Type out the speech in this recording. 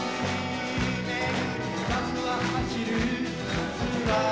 バスは走る。